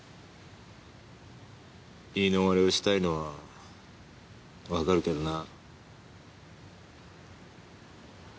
言い逃れをしたいのはわかるけどな。